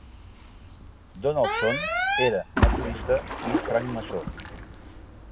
Donaldson era metodista i francmaçó.